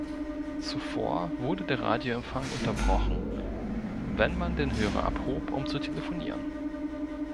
Zuvor wurde der Radioempfang unterbrochen, wenn man den Hörer abhob, um zu telefonieren.